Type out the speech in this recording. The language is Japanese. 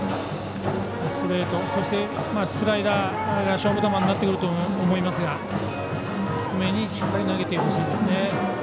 ストレート、そしてスライダー勝負球になってくると思いますが低めにしっかり投げてほしいです。